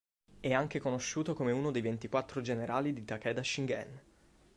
È anche conosciuto come uno dei ventiquattro generali di Takeda Shingen.